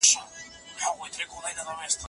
د حقوقي انتقال مفهوم د بشري ازادیو په وړاندې دی.